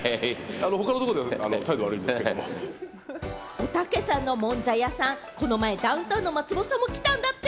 おたけさんのもんじゃ屋さん、この前、ダウンタウンの松本さんも来たんだって。